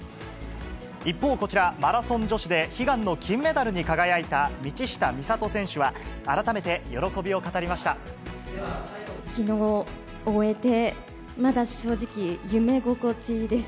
一方、こちらマラソン女子で、悲願の金メダルに輝いた道下美里選手は、きのう終えて、まだ正直、夢心地です。